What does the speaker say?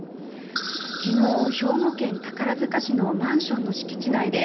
昨日、兵庫県宝塚市のマンションの敷地内で